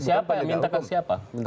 siapa minta siapa